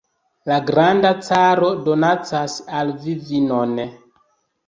La granda caro donacas al vi vinon!